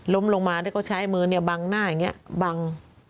ลงมาแล้วก็ใช้มือเนี่ยบังหน้าอย่างนี้บัง